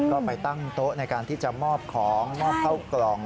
ก็ไปตั้งโต๊ะในการที่จะมอบของมอบเข้ากล่อง